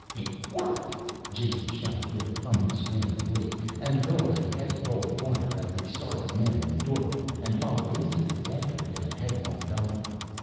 "It worked!" Jason shouted with unrestrained glee and hurled a heavy roll of wire at the startled men in the doorway and followed instantly after it in a headlong dive.